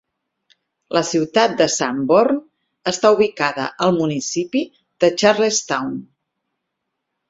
La ciutat de Sanborn està ubicada al municipi de Charlestown.